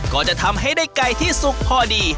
ก็จะทำให้ได้ไก่ที่สุกพอดี